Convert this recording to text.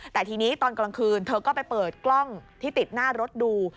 แต่ทีนี้ตอนกลางคืนเธอก็ไปเปิดกล้องที่ติดหน้ารถดู